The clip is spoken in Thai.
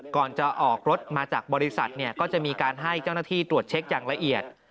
ก่อนจะออกรถมาจากบริษัทก็จะมีการให้เจ้าหน้าที่ตรวจเช็คอย่างละเอียด